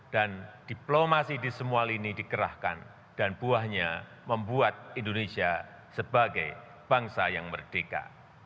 dan diplomasi di semua lini dikerahkan dan buahnya membuat indonesia sebagai bangsa yang merdeka